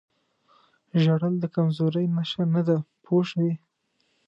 ژړل د کمزورۍ نښه نه ده پوه شوې!.